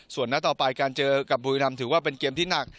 ส่วนนัดต่อไปการเจอกับบุรีรำถือว่าเป็นเกมที่หนัก